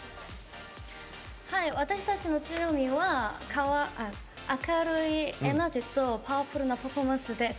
私たちの強みは明るいエナジーとパワフルなパフォーマンスです。